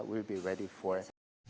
maka saya yakin indonesia